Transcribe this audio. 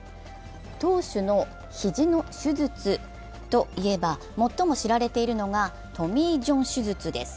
投手の肘の手術といえば、最も知られているのはトミー・ジョン手術です。